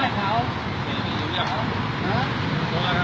ตัวเอาไปนี่ก็ได้